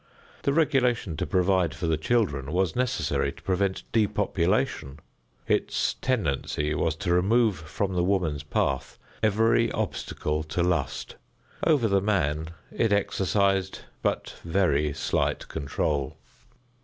The regulation to provide for the children was necessary to prevent depopulation; its tendency was to remove from the woman's path every obstacle to lust; over the man it exercised but very slight control.